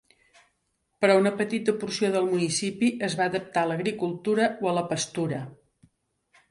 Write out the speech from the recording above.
Però una petita porció del municipi es va adaptar a l'agricultura o a la pastura.